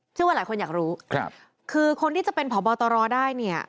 ว่าหลายคนอยากรู้ครับคือคนที่จะเป็นผอบตรได้เนี่ย